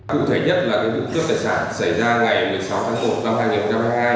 cụ thể nhất là vụ cướp tài sản xảy ra ngày một mươi sáu tháng một năm hai nghìn hai mươi hai